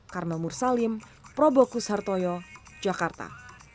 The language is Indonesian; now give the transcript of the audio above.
karena murah salim probokus hartoyo jakarta